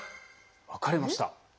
分かれました。